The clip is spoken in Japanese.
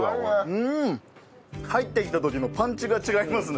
入ってきた時のパンチが違いますね。